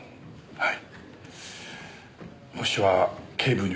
はい。